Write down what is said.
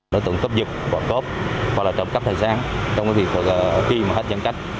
đối tượng cấp dựng bỏ cốp hoặc là trộm cấp thời gian trong cái việc khi mà hết giãn cách